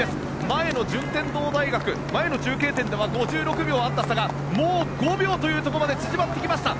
前の順天堂大学前の中継点では５６秒あった差が５秒まで縮まってきました。